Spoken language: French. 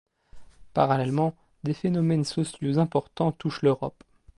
Parallèlement, des phénomènes sociaux importants touchent l'Europe.